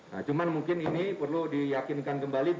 nah cuman mungkin ini perlu di yakinkan kembali